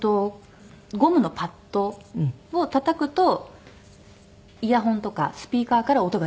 ゴムのパッドをたたくとイヤホンとかスピーカーから音が出るっていうものです。